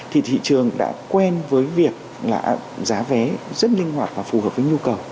thì thị trường đã quen với việc là giá vé rất linh hoạt và phù hợp với nhu cầu